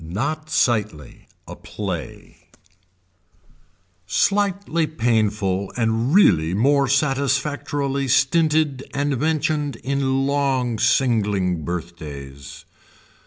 NOT SIGHTLY A PLAY Slightly painful and really more satisfactorily stinted and mentioned in long singling birthdays.